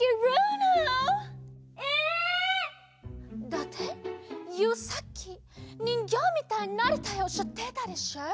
だってユーさっきにんぎょうみたいになりたいおっしゃってたでしょう？